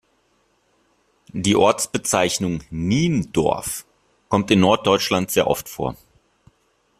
Die Ortsbezeichnung Niendorf kommt in Norddeutschland sehr oft vor.